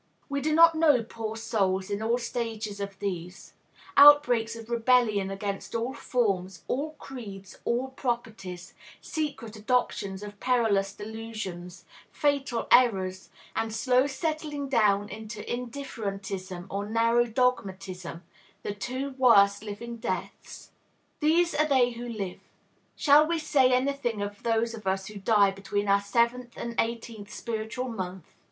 Who does not know poor souls in all stages of all these, outbreaks of rebellion against all forms, all creeds, all proprieties; secret adoptions of perilous delusions, fatal errors; and slow settling down into indifferentism or narrow dogmatism, the two worst living deaths? These are they who live. Shall we say any thing of those of us who die between our seventh and eighteenth spiritual month?